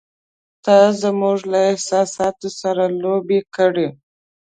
“تا زموږ له احساساتو سره لوبې کړې!